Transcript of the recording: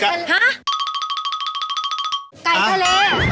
ไก่ทะเล